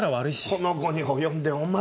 この期に及んでお前は。